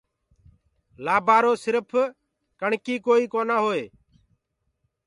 لآبآرو سِرڦ ڪڻڪي ڪوئي جونآ هوئي۔